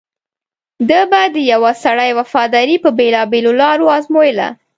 ده به د یوه سړي وفاداري په بېلابېلو لارو ازمویله.